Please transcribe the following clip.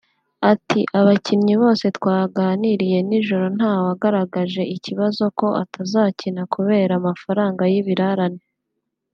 Ati “Abakinnyi bose twaganiriye nijoro ntawagaragaje ikibazo ko atazakina kubera amafaranga y’ibirarane